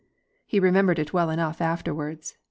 He remembered it well enough afterwards.